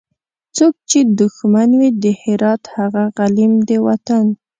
څوک چي دښمن وي د هرات هغه غلیم د وطن